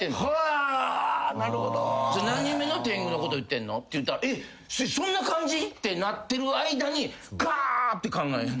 何人目の天狗のこと言ってんの？って言ったらえっそんな感じってなってる間にがーって考える。